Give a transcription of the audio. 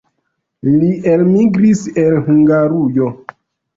Li elmigris el Hungarujo.